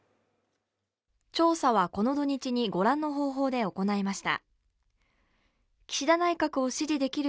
調査はこの土日にご覧の方法で行いました。